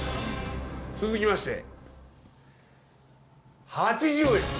続きまして８０円。